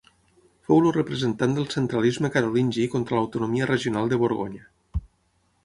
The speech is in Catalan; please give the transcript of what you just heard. Fou el representant del centralisme carolingi contra l'autonomia regional de Borgonya.